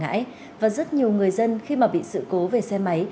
đây là dụng cụ bó xa